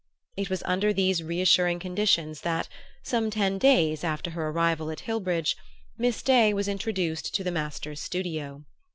It was under these reassuring conditions that, some ten days after her arrival at Hillbridge, Miss Day was introduced to the master's studio.